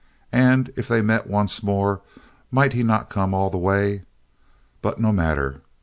And if they met once more, might he not come all the way? But no matter.